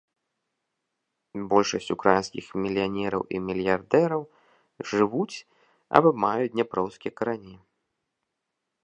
Большасць украінскіх мільянераў і мільярдэраў жывуць або маюць дняпроўскія карані.